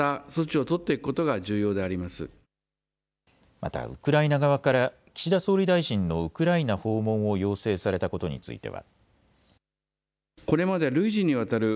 またウクライナ側から岸田総理大臣のウクライナ訪問を要請されたことについては。